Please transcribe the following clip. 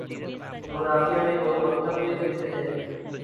جغرافیہ میں دو مکتب فکر ہیں